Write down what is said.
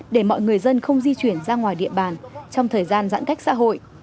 để mọi người dân không di chuyển ra ngoài địa bàn trong thời gian giãn cách xã hội